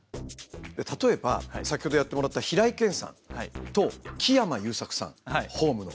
例えば先ほどやってもらった平井堅さんと木山裕策さん「ｈｏｍｅ」の。